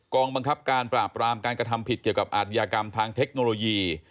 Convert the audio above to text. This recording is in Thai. องบังคับการปราบรามการกระทำผิดเกี่ยวกับอาทยากรรมทางเทคโนโลยี